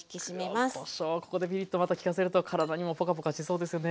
ここでピリッとまた利かせるとからだにもポカポカしそうですよね。